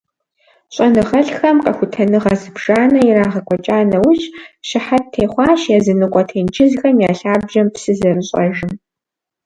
Щӏэныгъэлӏхэм къэхутэныгъэ зыбжанэ ирагъэкӏуэкӏа нэужь, щыхьэт техъуащ языныкъуэ тенджызхэм я лъабжьэм псы зэрыщӏэжым.